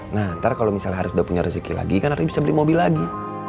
nah ntar kalau misalnya harus udah punya rezeki lagi kan harus bisa beli mobil lagi